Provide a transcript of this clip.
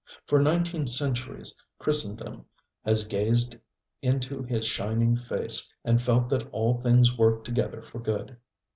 For nineteen centuries Christendom has gazed into his shining face and felt that all things work together for good.